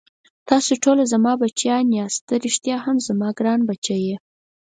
تاسې ټوله زما بچیان یاست، ته ريښتا هم زما ګران بچی یې.